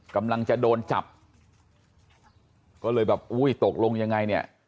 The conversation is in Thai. กำลังจะโดนจับก็เลยแบบอุ้ยตกลงยังไงเนี่ย